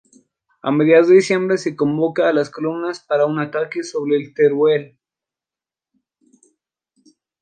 A mediados de diciembre se convoca a las columnas para un ataque sobre Teruel.